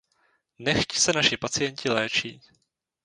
Nechť se naši pacienti léčí.